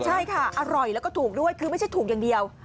ใช่ค่ะอร่อยแล้วก็ถูกด้วยคือไม่ใช่ถูกอย่างเดียว